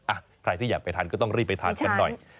ใครที่อยากไปทานก็ต้องรีบไปทานกันหน่อย